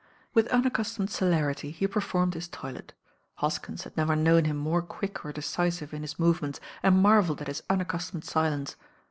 With unaccustomed celerity he performed his toilet. Hoskins had never known him more quick or decisive m his movements, and marveUed at his unacoistomed silence.